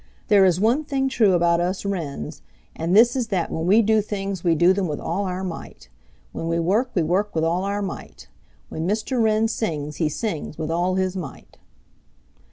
There is one thing true about us Wrens, and this is that when we do things we do them with all our might. When we work we work with all our might. When Mr. Wren sings he sings with all his might."